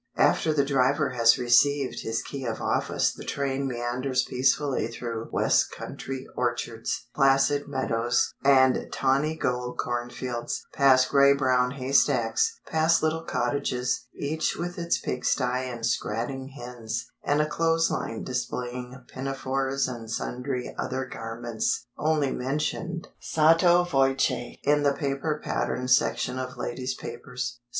After the driver has received his Key of Office the train meanders peacefully through west country orchards, placid meadows, and tawny gold cornfields; past grey brown haystacks; past little cottages, each with its pig sty and scratting hens, and a clothes line displaying pinafores and sundry other garments only mentioned sotto voce in the paper pattern section of ladies' papers.